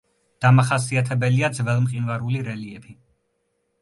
დამახასიათებელია ძველმყინვარული რელიეფი.